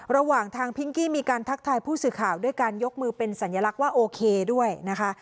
ระหว่างทางพิงกี้มีการทักทายผู้สื่อข่าวด้วยการยกมือเป็นสัญลักษณ์ว่าโอเคด้วยนะคะ